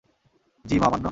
জ্বি, মহামান্য!